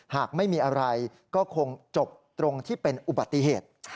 หากไม่มีอะไรก็คงจบตรงที่เป็นอุบัติเหตุ